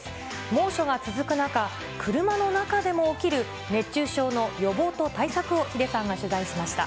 猛暑が続く中、車の中でも起きる、熱中症の予防と対策をヒデさんが取材しました。